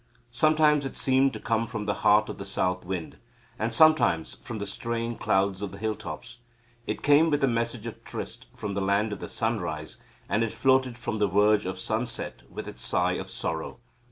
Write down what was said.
Sometimes it seemed to come from the heart of the south wind, and sometimes from the straying clouds of the hilltops. It came with a message of tryst from the land of the sunrise, and it floated from the verge of sunset with its sigh of sorrow.